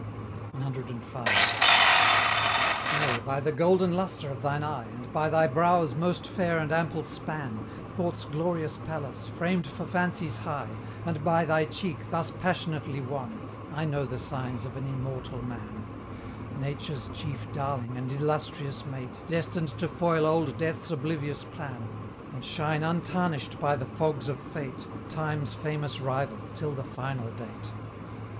CV. "Nay, by the golden lustre of thine eye, And by thy brow's most fair and ample span, Thought's glorious palace, framed for fancies high, And by thy cheek thus passionately wan, I know the signs of an immortal man, Nature's chief darling, and illustrious mate, Destined to foil old Death's oblivious plan, And shine untarnish'd by the fogs of Fate, Time's famous rival till the final date!"